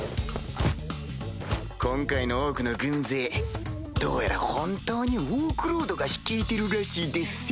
今回のオークの軍勢どうやら本当にオークロードが率いてるらしいでっせ。